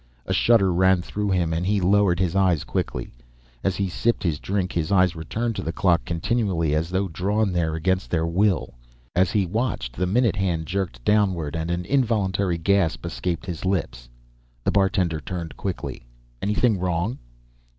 A shudder ran through him and he lowered his eyes quickly. As he sipped his drink his eyes returned to the clock continually, as though drawn there against their will. As he watched, the minute hand jerked downward and an involuntary gasp escaped his lips. The bartender turned quickly. "Anything wrong?"